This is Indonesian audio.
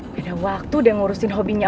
gak ada waktu deh ngurusin hobinya